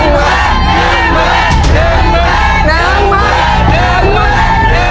น้ำมัด